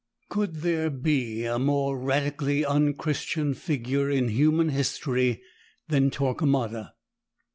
Could there be a more radically unchristian figure in human history than Torquemada?